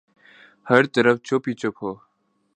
ہر طرف چپ ہی چپ ہو۔